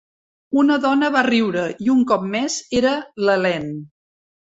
Una dona va riure i, un cop més, era l'Helene.